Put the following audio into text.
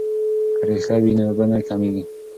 که ریښه وي نو اوبه نه کمیږي.